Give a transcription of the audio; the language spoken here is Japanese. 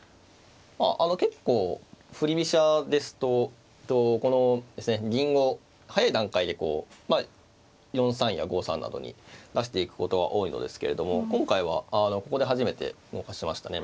結構振り飛車ですとこのですね銀を早い段階でこう４三や５三などに出していくことが多いのですけれども今回はここで初めて動かしましたね。